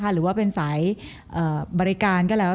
หรือว่าเป็นสายบริการก็แล้ว